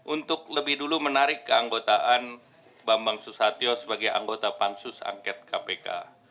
untuk lebih dulu menarik keanggotaan bambang susatyo sebagai anggota pansus angket kpk